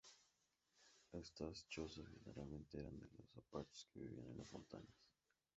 Estas chozas generalmente eran de los apaches que vivían en las montañas.